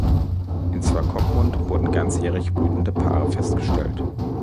In Swakopmund wurden ganzjährig brütende Paare festgestellt.